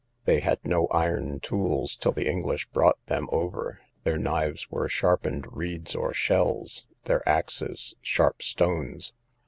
They had no iron tools till the English brought them over: their knives were sharpened reeds or shells, their axes sharp stones.